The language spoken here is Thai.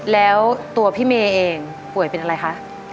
แล้วตัวพี่เมย์เองป่วยเป็นอะไรคะ